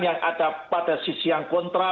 yang ada pada sisi yang kontra